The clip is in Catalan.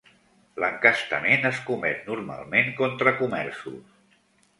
L'encastament es comet normalment contra comerços.